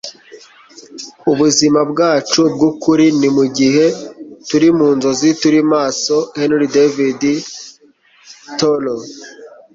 ubuzima bwacu bwukuri ni mugihe turi mu nzozi turi maso. - henry david thoreau